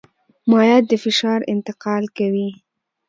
مایعات د فشار انتقال کوي.